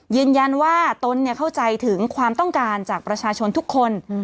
ยืนยันว่าตนเข้าใจถึงความต้องการจากประชาชนทุกคน